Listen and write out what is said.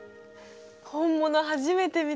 本物初めて見た。